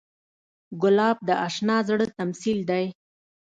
ګلاب د اشنا زړه تمثیل دی.